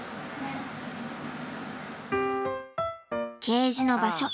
ケージの場所